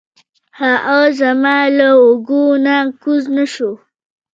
هغه زما له اوږو نه کوز نه شو.